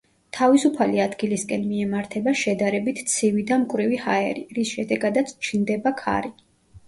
თავისუფალი ადგილისკენ მიემართება შედარებით ცივი და მკვრივი ჰაერი, რის შედეგადაც ჩნდება ქარი.